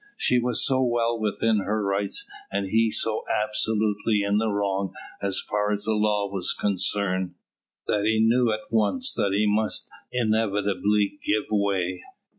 She was so well within her rights and he so absolutely in the wrong as far as the law was concerned, that he knew at once that he must inevitably give way.